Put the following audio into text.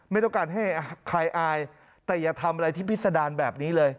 ไม่ต้องการให้ใครอายแต่อย่าทำอะไรที่พิษดารแบบนี้เลย